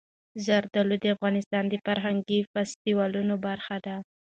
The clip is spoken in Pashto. زردالو د افغانستان د فرهنګي فستیوالونو برخه ده.